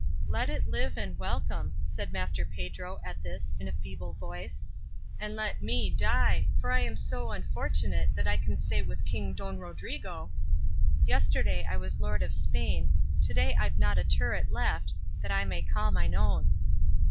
"Let it live, and welcome," said Master Pedro at this in a feeble voice, "and let me die, for I am so unfortunate that I can say with King Don Rodrigo Yesterday was I lord of Spain To day I've not a turret left That I may call mine own.